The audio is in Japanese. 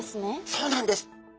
そうなんです。